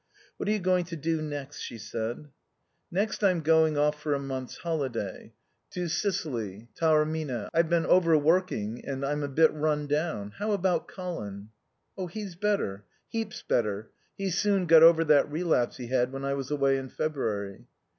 "What are you going to do next?" she said. "Next I'm going off for a month's holiday. To Sicily Taormina. I've been overworking and I'm a bit run down. How about Colin?" "He's better. Heaps better. He soon got over that relapse he had when I was away in February."